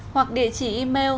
hoặc địa chỉ email